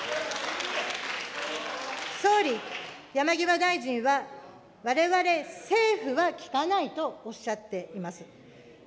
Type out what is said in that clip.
総理、山際大臣は、われわれ政府は聞かないとおっしゃっています。